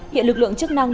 hiện lực lượng chức năng